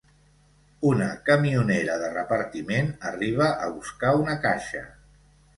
Una camionera de repartiment arriba a buscar una caixa.